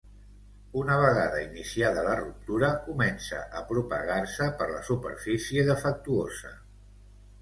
Una vegada iniciada la ruptura, comença a propagar-se per la superfície defectuosa.